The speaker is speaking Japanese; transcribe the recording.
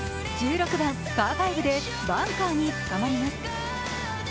１６番・パーファイブでバンカーにつかまります。